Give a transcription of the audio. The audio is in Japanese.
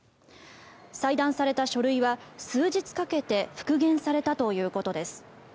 裁断された書類は、数日かけて復元されたということです。